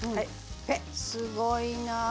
すごいな。